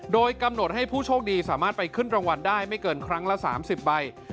โดยกำหนดให้ผู้โชคดีสามารถไปขึ้นรางวัลได้ไม่เกินครั้งละ๓๐ใบ